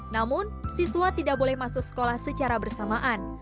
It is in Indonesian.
namun siswa tidak boleh masuk sekolah secara bersamaan